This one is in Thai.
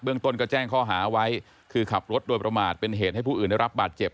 ต้นก็แจ้งข้อหาไว้คือขับรถโดยประมาทเป็นเหตุให้ผู้อื่นได้รับบาดเจ็บ